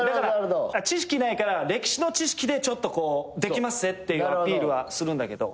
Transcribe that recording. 知識ないから歴史の知識でちょっとこうできまっせってアピールはするんだけど。